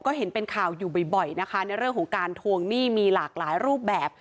ก็เห็นเป็นข่าวอยู่บ่อยนะคะในเรื่องของการทวงหนี้มีหลากหลายรูปแบบ